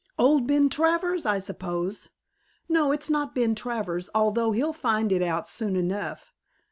"Old Ben Travers, I suppose!" "No, it's not Ben Travers, although he'll find it out soon enough.